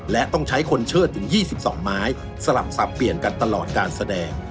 และต้องใช้คนเชิดถึง๒๒ไม้สลับสับเปลี่ยนกันตลอดการแสดง